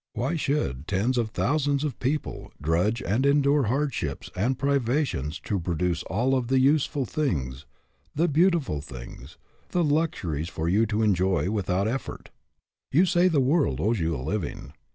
Why should tens of thousands of people drudge and endure hardships and privations to produce all of the useful things, the beautiful things, the luxuries for you to enjoy without effort? You say the world owes you a living.